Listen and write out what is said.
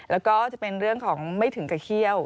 แล้วก็จะเป็นเรื่องของไม่ถึงกับเขี้ยว